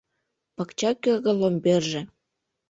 Пакча кӧргӧ ломберже